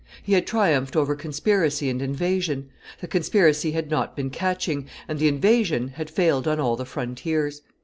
He had triumphed over conspiracy and invasion; the conspiracy had not been catching, and the invasion had failed on all the frontiers.